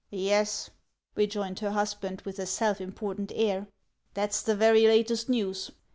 " "Yes," rejoined her husband, with a self important air, " that's the very latest news.